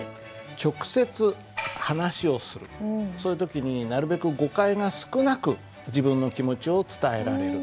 直接話をするそういう時になるべく誤解が少なく自分の気持ちを伝えられる。